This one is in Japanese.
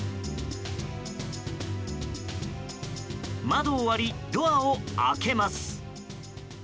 窓を割り、ドアを開けます。